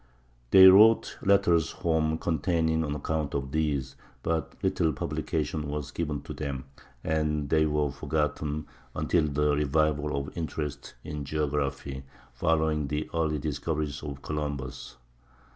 They wrote letters home containing an account of these, but little publication was given to them, and they were forgotten until the revival of interest in geography following the early discoveries of Columbus.